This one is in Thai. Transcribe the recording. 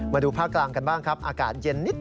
มาดูภาคกลางกันบ้างครับอากาศเย็นนิด